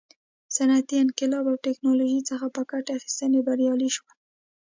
صنعتي انقلاب او ټکنالوژۍ څخه په ګټه اخیستنه بریالي شول.